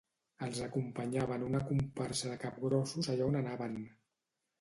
Els acompanyaven una comparsa de capgrossos allà on anaven.